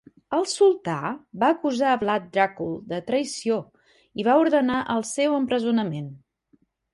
El sultà va acusar Vlad Dracul de traïció i va ordenar el seu empresonament.